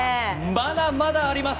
まだまだあります